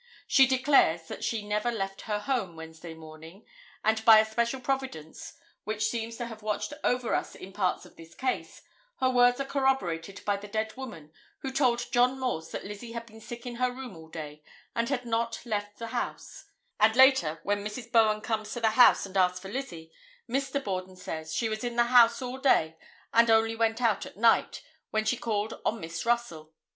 She declares that she never left her home Wednesday morning, and by a special providence, which seems to have watched over us in parts of this case, her words are corroborated by the dead woman who told John Morse that Lizzie had been sick in her room all day and had not left the house, and later, when Mrs. Bowen comes to the house and asks for Lizzie, Mr. Borden says: she was in the house all day and only went out at night, when she called on Miss Russell.